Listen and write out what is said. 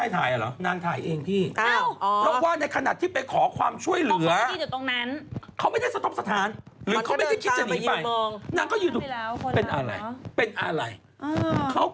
ถ้าพี่ถามว่าใครถ่ายอะ